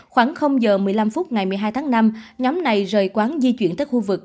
khoảng giờ một mươi năm phút ngày một mươi hai tháng năm nhóm này rời quán di chuyển tới khu vực